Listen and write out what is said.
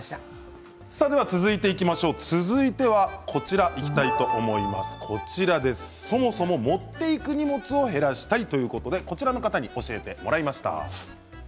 続いてはそもそも持って行く荷物を減らしたいということでこちらの方に教えてもらいました。